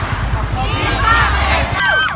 อัศวินธรรมชาติ